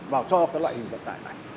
vào cho các loại hình vận tải này